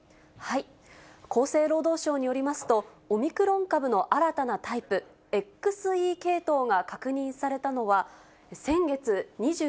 厚生労働省によりますと、オミクロン株の新たなタイプ、ＸＥ系統が確認されたのは、先月２６日。